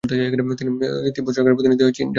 তিনি তিব্বত সরকারের প্রতিনিধি হয়ে চীন যাত্রা করেন।